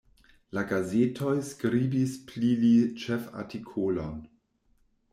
La gazetoj skribis pli li ĉefartikolon.